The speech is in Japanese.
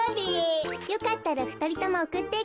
よかったらふたりともおくっていくわよ。